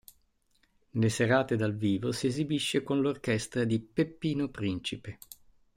Nelle serate dal vivo si esibisce con l'orchestra di Peppino Principe.